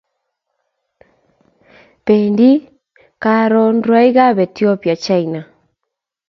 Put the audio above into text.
Pendi karu rwaik ab Ethopia china